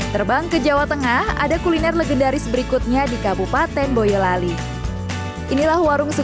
terbang ke jawa tengah ada kuliner legendaris berikutnya di kabupaten boyolali inilah warung